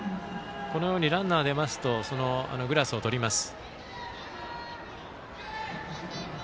ランナー出ますとグラスを取ります。